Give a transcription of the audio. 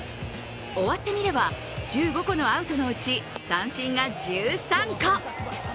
終わってみれば、１５個のアウトのうち三振が１３個。